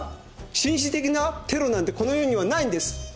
紳士的なテロなんてこの世にはないんです！